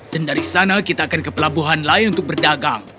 dan dari sana kita akan ke pelabuhan lain untuk berdagang